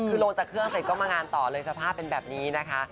คือลงจากเครื่องเสร็จก็มางานต่อเลยสภาพเป็นแบบนี้นะคะ